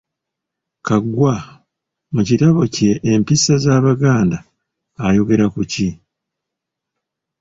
"Kaggwa, mu kitabo kye Empisa z’Abaganda ayogera ku ki?"